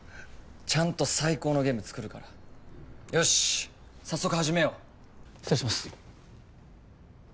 ちゃんと最高のゲーム作るからよしっ早速始めよう失礼します